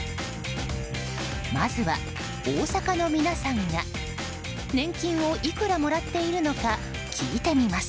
まずは、大阪の皆さんが年金をいくらもらっているのか聞いてみます。